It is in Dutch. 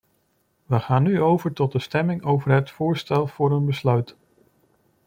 We gaan nu over tot de stemming over het voorstel voor een besluit.